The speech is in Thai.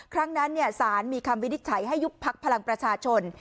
ครั้งนั้นสารมีคำวินิจฉัยให้ยุบพักพลังประชาชน